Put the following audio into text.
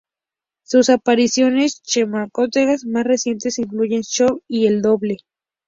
Sus apariciones cinematográficas más recientes incluyen "Stoker" y "El doble".